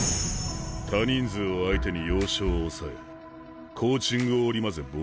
多人数を相手に要所を押さえコーチングを織り交ぜボールを奪う。